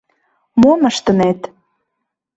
— Мом ыштынет?